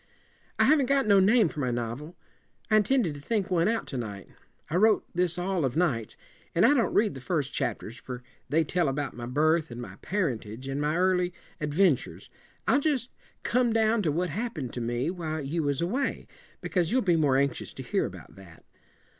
"I haven't got no name for my novel. I intended to think one out to night. I wrote this all of nights. And I don't read the first chapters, for they tell about my birth and my parentage, and my early adventures. I'll just come down to what happened to me while you was away, because you'll be more anxious to hear about that.